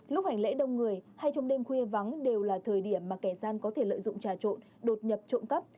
lúc hành lễ đông người hay trong đêm khuya vắng đều là thời điểm mà kẻ gian có thể lợi dụng trà trộn đột nhập trộm cắp